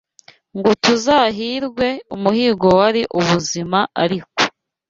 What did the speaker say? Ngo tuzahirwe, umuhigo wari ubuzima ariko